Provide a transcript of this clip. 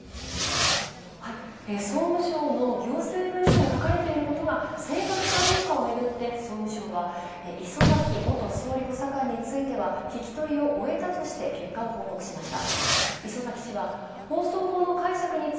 総務省の行政文書に書かれていることが正確かどうかをめぐって、総務省は礒崎元総理補佐官については聞き取りを終えたとして結果を報告しました。